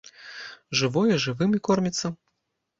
Жывое жывым і корміцца!